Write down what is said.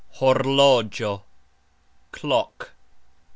horlogxo : clock.